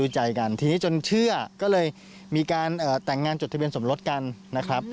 เชื่อก็เลยมีการแต่งงานจดทะเบียนสมรสกันนะครับ